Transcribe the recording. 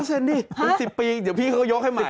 ไม่เซ็นสิเป็น๑๐ปีเดี๋ยวพี่เขายกให้ใหม่